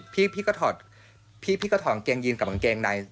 พี่ก็ถอดกางเกงยีนกับกางเกงใน